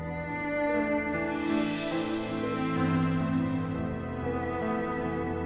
diangkat religion km di jepang